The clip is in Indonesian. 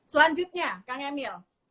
selanjutnya kang emul